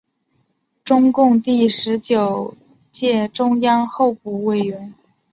中共第十九届中央候补委员。